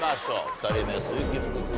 ２人目鈴木福君